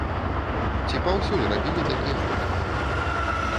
Ці паўсюль рабілі такія фота?